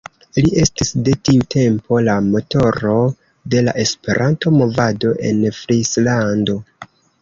Li estis de tiu tempo la "motoro" de la Esperanto-movado en Frislando.